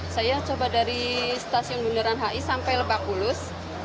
saya coba dari stasiun bundaran hi sampai lebakulus